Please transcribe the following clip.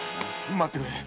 待ってくれ。